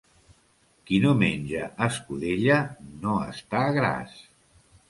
Qui no menja escudella no està gras.